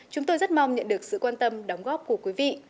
chúng tôi rất mong nhận được sự quan tâm đóng góp của quý vị